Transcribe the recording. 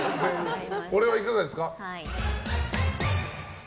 これはいかがですか？